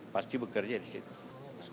pasti bekerja di situ